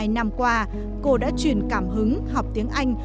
hai mươi năm qua cô đã truyền cảm hứng học tiếng anh